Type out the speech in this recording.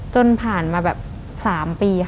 จนผ่านมาแบบ๓ปี